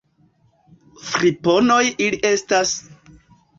Friponoj ili estas!